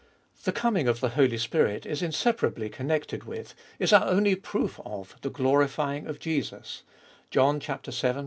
The coming of the Holy Spirit is inseparably connected with, is our only proof of, the glorifying of Jesus (John vii.